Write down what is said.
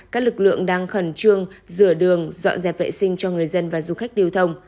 các lực lượng đang khẩn trương rửa đường dọn dẹp vệ sinh cho người dân và du khách điều thông